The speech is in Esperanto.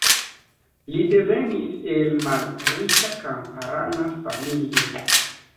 Li devenis el malriĉa kamparana familio.